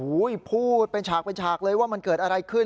อู๋พูดเป็นฉากเลยว่ามันเกิดอะไรขึ้น